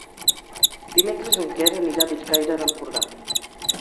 Dimecres en Quer anirà a Bellcaire d'Empordà.